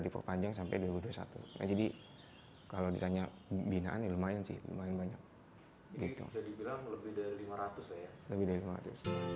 diperpanjang sampai dua ribu dua puluh satu jadi kalau ditanya pembinaan ya lumayan sih lumayan banyak gitu bisa dibilang lebih dari lima ratus ya lebih dari lima ratus